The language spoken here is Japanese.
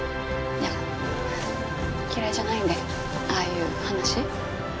いや嫌いじゃないんでああいう話。